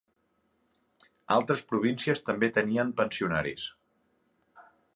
Altres províncies també tenien pensionaris.